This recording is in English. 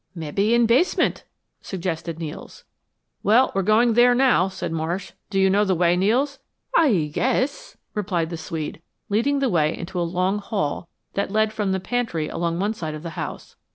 "Mebbe in basement," suggested Nels. "Well, we're going there now," said Marsh. "Do you know the way, Nels?" "Aye guess," replied the Swede, leading the way into a long hall that led from the pantry along one side of the house.